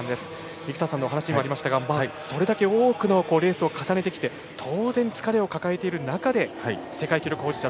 生田さんのお話にもありましたがそれだけ多くのレースを重ねてきて当然、疲れを抱えている中で世界記録保持者